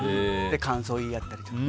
感想言い合ったりとか。